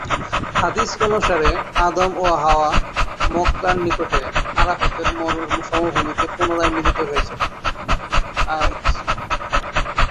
হাদিস অনুসারে আদম ও হাওয়া মক্কার নিকটে আরাফাতের সমভূমিতে পুনরায় মিলিত হয়েছিলেন।